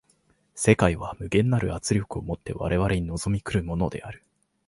世界は無限なる圧力を以て我々に臨み来るものである。